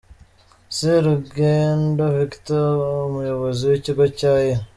Serugendo Victor, umuyobozi w’ikigo cya E.